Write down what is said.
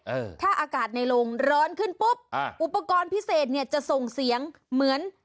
เออถ้าอากาศในโรงร้อนขึ้นปุ๊บอ่าอุปกรณ์พิเศษเนี่ยจะส่งเสียงเหมือน